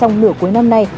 trong nửa cuối năm nay